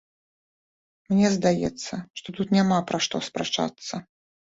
Мне здаецца, што тут няма пра што спрачацца.